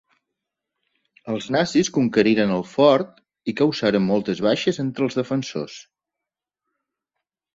Els nazis conqueriren el fort i causaren moltes baixes entre els defensors.